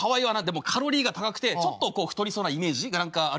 でもカロリーが高くてちょっとこう太りそうなイメージが何かあるよね。